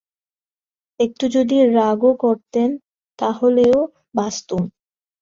একটু যদি রাগও করতেন তা হলেও বাঁচতুম।